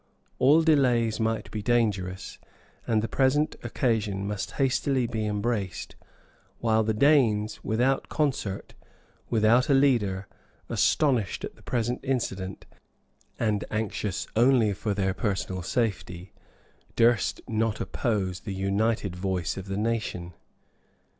All delays might be dangerous, and the present occasion must hastily be embraced, while the Danes, without concert, without a leader, astonished at the present incident, and anxious only for their personal safety, durst not oppose the united voice of the nation.